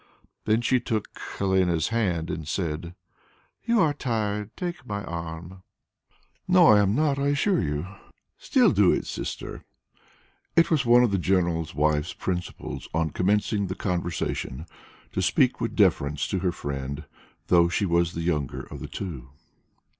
Then she took Helene's hand and said, "You are tired; take my arm." "No, I am not, I assure you." "Still, do it, dear Sister." It was one of the general's wife's principles on commencing the conversation to speak with deference to her friend, though she was the younger of the two.